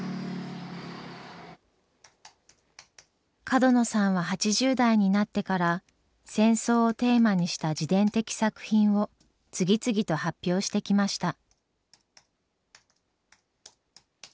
角野さんは８０代になってから戦争をテーマにした自伝的作品を次々と発表してきました。